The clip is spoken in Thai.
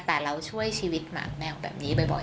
แต่เราช่วยชีวิตหมาแมวแบบนี้บ่อย